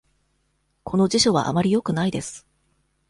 この辞書はあまりよくないです。